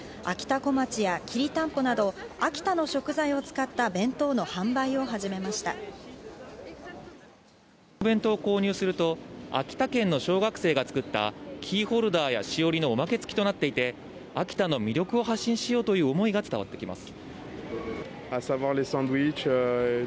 こちらのお弁当を購入すると、秋田県の小学生が作ったキーホルダーや、しおりのおまけ付きとなっていて、秋田の魅力を発信しようという思いが伝わってきます。